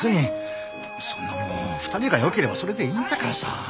そんなもの２人がよければそれでいいんだからさ！